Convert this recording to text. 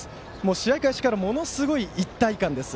試合開始からものすごい一体感です。